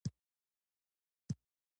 عسکر په روسي ژبه د اطاعت نظامي سلام وکړ